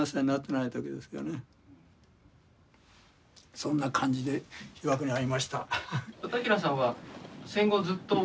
そんな感じで被爆に遭いました。